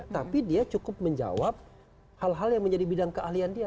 tapi dia cukup menjawab hal hal yang menjadi bidang keahlian dia